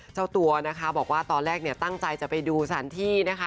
เจ้าตัวบอกว่าตอนแรกตั้งใจจะไปดูสถานที่